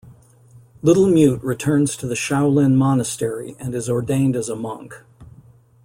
Little Mute returns to the Shaolin monastery and is ordained as a monk.